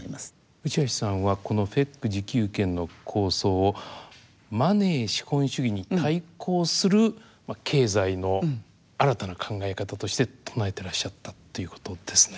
内橋さんはこのＦＥＣ自給圏の構想をマネー資本主義に対抗する経済の新たな考え方として唱えてらっしゃったということですね？